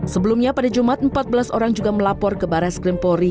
sebelumnya pada jumat empat belas orang juga melapor ke barat skrimpori